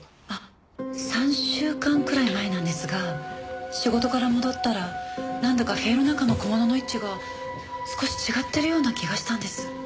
３週間くらい前なんですが仕事から戻ったらなんだか部屋の中の小物の位置が少し違ってるような気がしたんです。